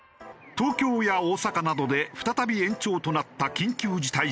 東京や大阪などで再び延長となった緊急事態宣言。